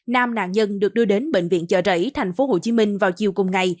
nam nạn nhân được đưa đến bệnh viện chợ rẫy thành phố hồ chí minh vào chiều cùng ngày